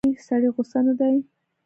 ما ویل ځه که خیر وي، سړی غوسه نه دی.